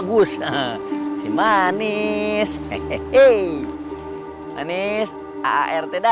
banyaknya ngomongin jalan sendiri